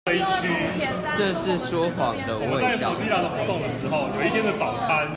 這是說謊的味道